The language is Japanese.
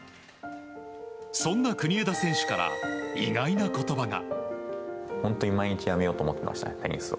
そんな国枝選手から意外な言葉が。